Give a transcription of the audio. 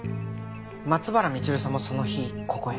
松原みちるさんもその日ここへ？